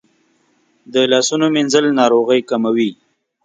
د لاسونو مینځل ناروغۍ کموي.